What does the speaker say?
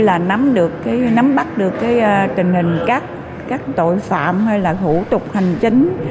công an quận cũng như là nắm bắt được trình hình các tội phạm hay là thủ tục hành chính